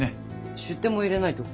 出典も入れないと。